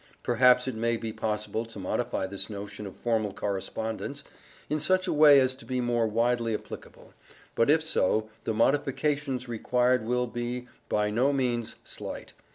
Perhaps it may be possible to modify this notion of formal correspondence in such a way as to be more widely applicable, but if so, the modifications required will be by no means slight.